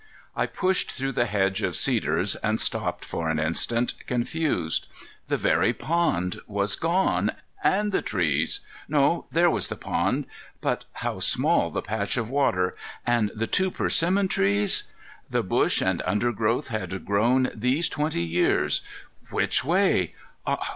I pushed through the hedge of cedars and stopped for an instant, confused. The very pond was gone! and the trees! No, there was the pond,—but how small the patch of water! and the two persimmon trees? The bush and undergrowth had grown these twenty years. Which way?